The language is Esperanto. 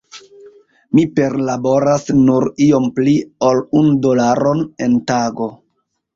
Mi perlaboras nur iom pli ol unu dolaron en tago.